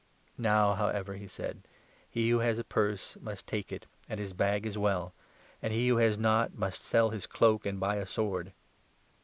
" Now, however," he said, "he who has a purse must take 36 it and his bag as well ; and he who has not must sell his cloak and buy a sword.